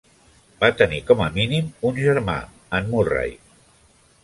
Va tenir com a mínim un germà, en Murray.